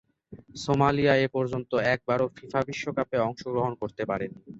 Somalia এপর্যন্ত একবারও FIFA বিশ্বকাপে অংশগ্রহণ করতে পারেনি।